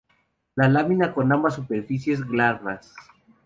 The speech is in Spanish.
La lamina con ambas superficies glabras.